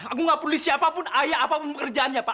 aku gak peduli siapapun ayah apapun pekerjaannya pak